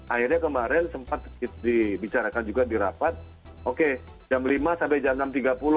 akhirnya kemarin sempat dibicarakan juga di rapat oke jam lima sampai jam enam tiga puluh